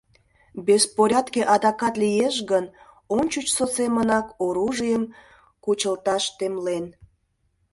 Беспорядке адакат лиеш гын, ончычсо семынак оружийым кучылташ темлен.